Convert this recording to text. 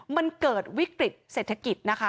มันเกิดวิกฤตเศรษฐกิจนะคะ